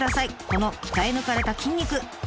この鍛え抜かれた筋肉。